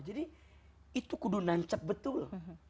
jadi itu kudu nancap betul